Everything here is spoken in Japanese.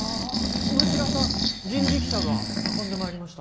今し方人力車が運んでまいりました。